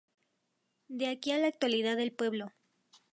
De aquí a la actualidad el pueblo.